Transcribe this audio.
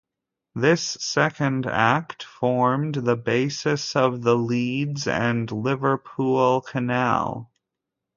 This second act formed the basis of the Leeds and Liverpool Canal.